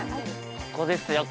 ここですよ